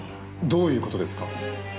どういう事ですか？